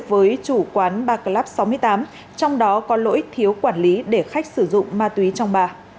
với chủ quán ba club sáu mươi tám trong đó có lỗi thiếu quản lý để khách sử dụng ma túy trong ba